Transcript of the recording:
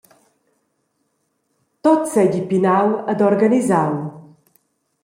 Tut seigi pinau ed organisau.